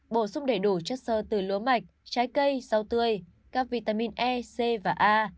bổ sung đầy đủ chất sơ từ lúa mạch trái cây rau tươi các vitamin e c và a